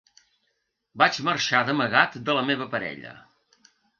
Vaig marxar d’amagat de la meva parella.